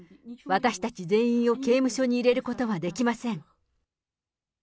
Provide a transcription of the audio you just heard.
私たち全員を刑務所に入れることはできません。